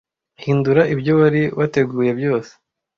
hindura ibyo wari wateguye byose